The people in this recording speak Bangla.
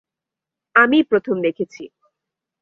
আমিই প্রথম দেখেছি।